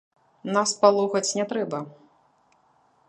Нас палохаць не трэба.